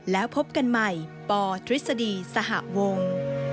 แล้วพบกันใหม่ปทฤษฎีสหวง